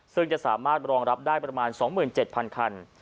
ซึ่งจะสามารถรองรับได้ประมาณ๒๗๐๐คัน